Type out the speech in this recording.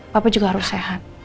papa juga harus sehat